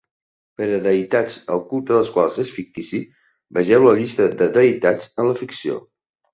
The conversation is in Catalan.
Per a deïtats el culte de les quals és fictici, vegeu la Llista de deïtats en la ficció.